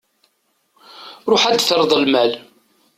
Ruḥ ad d-terreḍ lmal.